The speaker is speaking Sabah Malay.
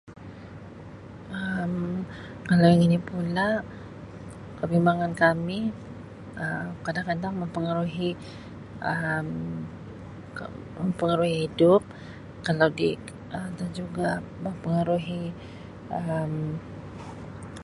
Um Kalau yang ini pula kebimbangan kami Um kadang-kadang mempengaruhi Um [unintelligible] mempengaruhi hidup kalau di Um dan juga mempengaruhi Um.